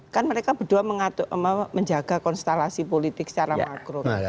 kan mereka berdua menjaga konstelasi politik secara makro